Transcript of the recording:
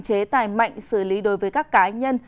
chế tài mạnh xử lý đối với các cá nhân